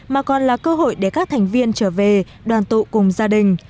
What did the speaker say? mà còn là cơ hội để các thành viên trở về đoàn tụ cùng gia đình